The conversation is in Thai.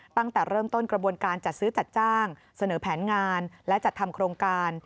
ตั้งแต่เริ่มต้นกระบวนการจัดซื้อจัดจ้างเสนอแผนงานและจัดทำโครงการ